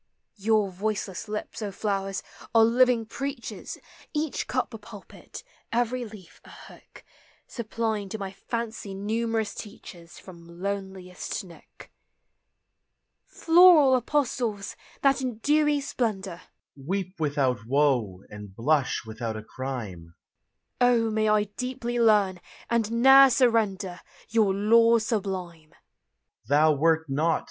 Your voiceless lips, O flowers! are living preach* ers, Each cup a pulpit, every leaf a hook, Supplying to my fancy numerous teachers From loneliest nook. Floral apostles! that in dewy splendor k> Weep without woe, and blush without a crime," 0, may 1 deeply learn, and ne'er surrender Your lore sublime! "Thou wert not.